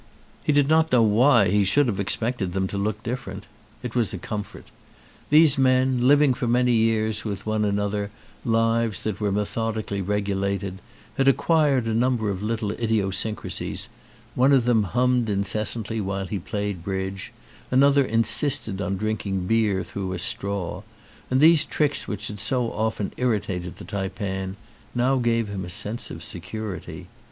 He did not know why he should have ex 200 THE TAIPAN pected them to look different. It was a comfort. These m^n, living for many years with one another lives that were methodically regulated, had ac quired a number of little idiosyncrasies — one of them hummed incessantly while he played bridge, another insisted on drinking beer through a straw — and these tricks which had so often irritated the taipan now gave him a sense of security.